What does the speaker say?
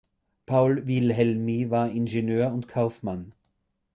Paul Wilhelmi war Ingenieur und Kaufmann.